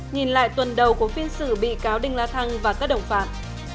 nhìn lại tuần đầu của phiên xử bị cáo đinh la thăng và các đồng phạm